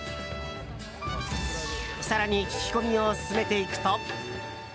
更に聞き込みを進めていくと。